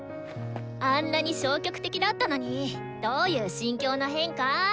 あんなに消極的だったのにどういう心境の変化？